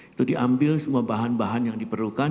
itu diambil semua bahan bahan yang diperlukan